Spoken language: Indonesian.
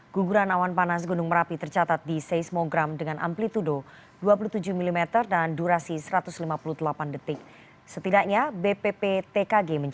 guguran awan panas gunung merapi tercatat di seismogram dengan amplitude dua puluh tujuh mm dan durasi satu ratus lima puluh delapan detik setidaknya bpptkg